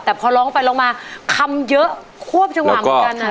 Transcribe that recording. แต่พอร้องออกไปลงมาคำเยอะควบจังหวะมากันแหละ